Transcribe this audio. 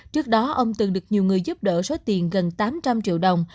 trước đó ông từng được nhiều người giúp đỡ số tiền gần tám trăm linh triệu đồng